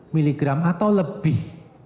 miligram atau lebih